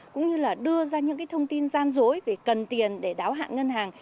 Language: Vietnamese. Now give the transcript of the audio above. cũng như là đưa ra những thông tin gian dối về cần tiền để đáo hạn ngân hàng